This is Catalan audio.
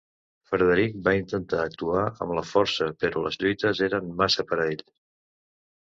Frederic va intentar actuar amb la força, però les lluites eren massa per a ell.